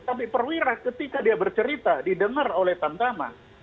tapi perwira ketika dia bercerita didengar oleh tamtama